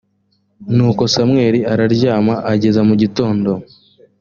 nuko samweli araryama ageza mu gitondo